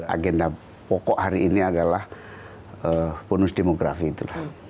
agenda pokok hari ini adalah bonus demografi itu